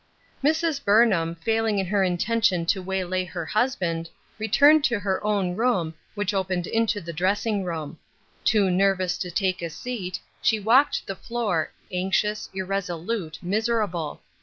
MRS. BURNHAM, failing in her intention to waylay her husband, returned to her own room, which opened into the dressing room. Too nervous to take a seat, she walked the floor, anxious, irresolute, miserable.